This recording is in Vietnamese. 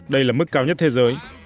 đây là mức cao nhất thế giới